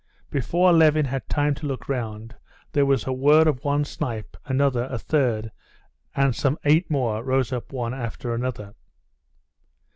Before Levin had time to look round, there was the whir of one snipe, another, a third, and some eight more rose one after another.